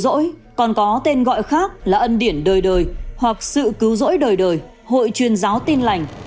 rỗi còn có tên gọi khác là ân điển đời đời hoặc sự cứu rỗi đời đời hội truyền giáo tin lành